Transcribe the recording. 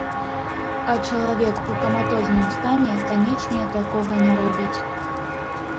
А чалавек у каматозным стане, канечне, такога не робіць.